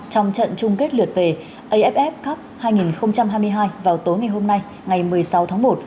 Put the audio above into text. trong trận chung kết lượt về aff cup hai nghìn hai mươi hai vào tối ngày hôm nay ngày một mươi sáu tháng một